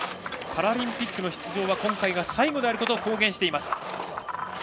パラリンピックの出場は今回が最後であると公言しています。